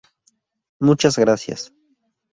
Muchas Gracias.